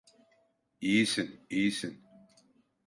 İyisin, iyisin.